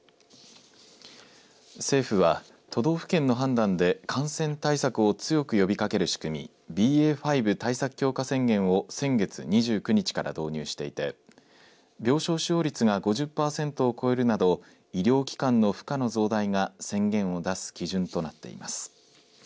政府は都道府県の判断で感染対策を強く呼びかける仕組みＢＡ．５対策強化宣言を先月２９日から導入していて病床使用率が５０パーセントを超えるなど医療機関の負荷の増大が宣言を出す基準となっています。